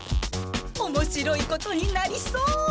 おもしろいことになりそう！